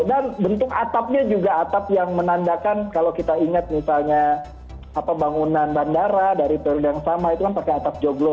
dan bentuk atapnya juga atap yang menandakan kalau kita ingat misalnya apa bangunan bandara dari periode yang sama itu kan pakai atap joglo